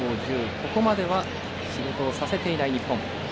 ここまでは仕事をさせていない日本。